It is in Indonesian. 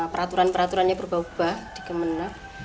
peraturan peraturannya berubah ubah di kemenang